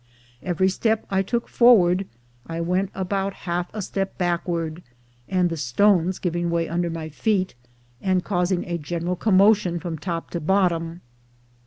Every step I took forward, I went about half a step backward, the stones giving way under my feet, and causing a general commotion from top to bottom.